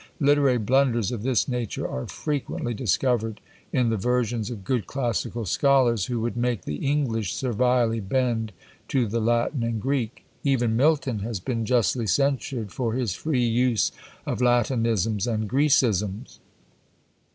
Literary blunders of this nature are frequently discovered in the versions of good classical scholars, who would make the English servilely bend to the Latin and Greek. Even Milton has been justly censured for his free use of Latinisms and Grecisms.